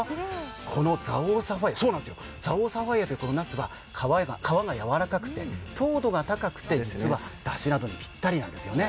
この蔵王サファイヤというなすは皮がやわらかくて糖度が高くて、だしなどにぴったりなんですよね。